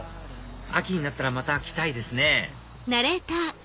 秋になったらまた来たいですね